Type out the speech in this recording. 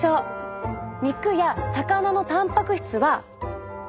肉や魚のたんぱく質は。